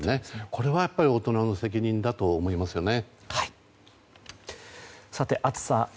これは大人の責任だと思いますよね。